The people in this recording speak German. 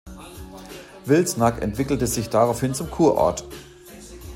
Wilsnack entwickelte sich daraufhin zum Kurort.